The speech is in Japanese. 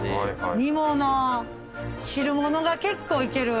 煮物汁物が結構いける。